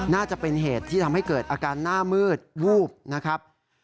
น่าจะเป็นเหตุที่ทำให้เกิดอาการหน้ามืดวูบนะครับ